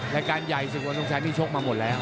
รายการใหญ่ศึกวันทรงชัยนี่ชกมาหมดแล้ว